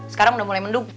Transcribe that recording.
sekarang udah mulai mendung